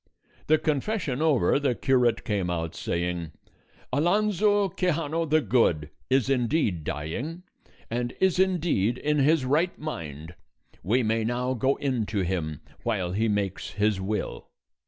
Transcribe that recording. The confession over, the curate came out saying: "Alonso Quixano the Good is indeed dying, and is indeed in his right mind; we may now go in to him, while he makes his will."